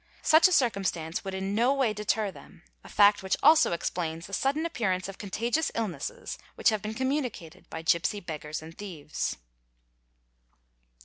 Such a circumstance would in no way deter them, a fact which also explains the sudden appearance of con _ tagious illnesses which have been communicated by gipsy beggars and thieves.